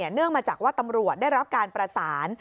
เนื่องมาจากว่าตำรวจได้รับการประสาน